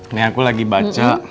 ini aku lagi baca